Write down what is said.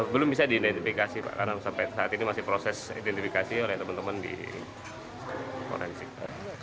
belum bisa diidentifikasi pak karena sampai saat ini masih proses identifikasi oleh teman teman di forensik